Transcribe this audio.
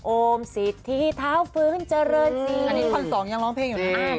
โอมสิทธิเท้าฟื้นเจริญศรีอันนี้คนสองยังร้องเพลงอยู่นะ